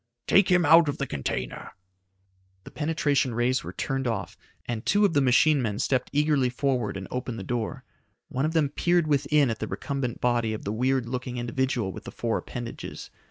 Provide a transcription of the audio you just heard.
"Take him out of the container." The penetration rays were turned off, and two of the machine men stepped eagerly forward and opened the door. One of them peered within at the recumbent body of the weird looking individual with the four appendages.